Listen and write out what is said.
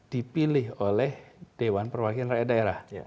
dipilih oleh dewan perwakilan rakyat daerah